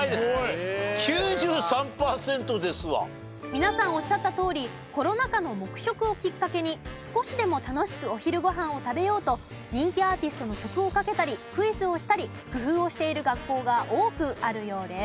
皆さんおっしゃったとおりコロナ禍の黙食をきっかけに少しでも楽しくお昼ご飯を食べようと人気アーティストの曲をかけたりクイズをしたり工夫をしている学校が多くあるようです。